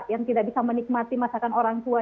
yang tidak bisa menikmati masakan orang tua